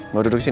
mau duduk sini